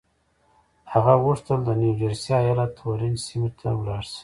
هغه غوښتل د نيو جرسي ايالت اورنج سيمې ته لاړ شي.